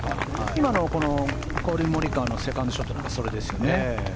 今のこのコリン・モリカワのセカンドショットはそれですよね